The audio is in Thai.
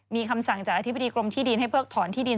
มีคำสั่งจากอธิบดีกรมที่ดินให้เพิกถอนที่ดิน